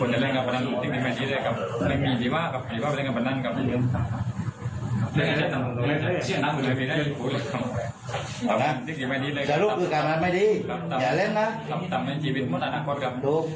สรุปคือการพนันไม่ดีอย่าเล่นนะ